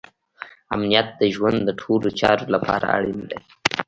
امنیت د ژوند د ټولو چارو لپاره اړین دی.